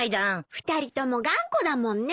２人とも頑固だもんね。